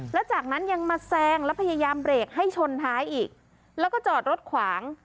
แล้วจากนั้นยังมาแซงแล้วพยายามเบรกให้ชนท้ายอีกแล้วก็จอดรถขวาง